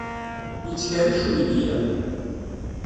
Yettkerric uydi-a?